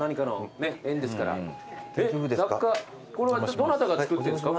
これはどなたが作ってるんですか？